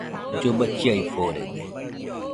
Lloba chiaforede